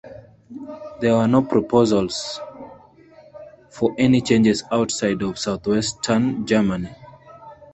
There were no proposals for any changes outside of southwestern Germany.